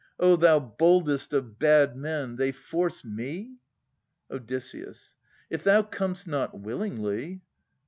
O thou boldest of bad men ! They force me ? Od. If thou com'st not willingly.